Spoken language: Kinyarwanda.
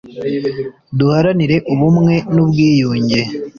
duharanire ubumwe n ubwiyunge